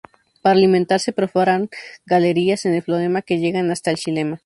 Para alimentarse perforan galerías en el floema que llegan hasta el xilema.